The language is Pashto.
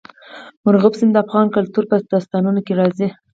مورغاب سیند د افغان کلتور په داستانونو کې راځي.